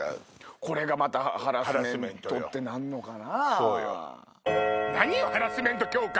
これがまたハラスメントってなんのかな。